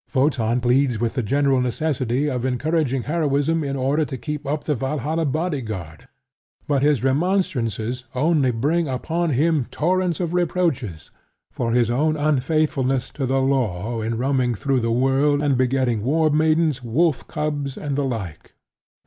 Wotan pleads the general necessity of encouraging heroism in order to keep up the Valhalla bodyguard; but his remonstrances only bring upon him torrents of reproaches for his own unfaithfulness to the law in roaming through the world and begetting war maidens, "wolf cubs," and the like.